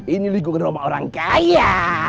ini lingkungan rumah orang kaya